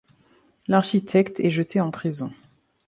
L'architecte est jeté en prison.